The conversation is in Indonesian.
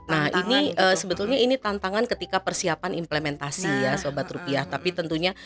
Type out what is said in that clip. nah ini sebetulnya ini tantangan ketika persiapan implementasi ya sobat rupiah tapi tentunya